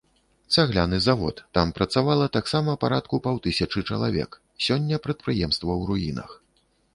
Цагляны завод, там працавала таксама парадку паўтысячы чалавек, сёння прадпрыемства ў руінах.